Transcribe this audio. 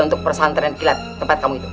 untuk pesantren kilat tempat kamu itu